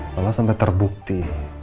kalau sampai terbuka